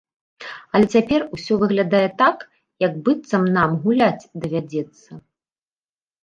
Але цяпер усё выглядае так, як быццам нам гуляць давядзецца.